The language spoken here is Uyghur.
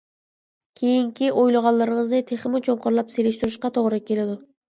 كېيىنكى ئويلىغانلىرىڭىزنى تېخىمۇ چوڭقۇرلاپ سېلىشتۇرۇشقا توغرا كېلىدۇ.